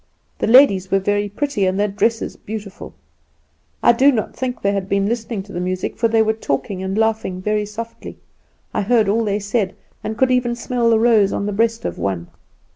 The ladies were very pretty, and their dresses beautiful. I do not think they had been listening to the music, for they were talking and laughing very softly. I heard all they said, and could even smell the rose on the breast of one.